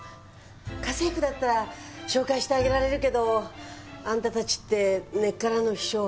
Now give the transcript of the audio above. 家政婦だったら紹介してあげられるけどあんたたちって根っからの秘書。